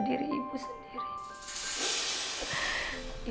diri ibu sendiri